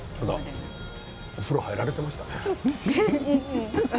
お風呂に入られていましたね。